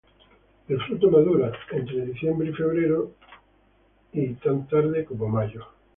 El fruto madura de diciembre a febrero, o y tan tarde como mayo.